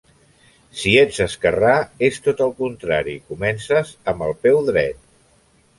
Si ets esquerrà, és tot el contrari; comences amb el peu dret.